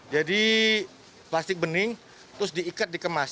jadi plastik bening terus diikat dikemas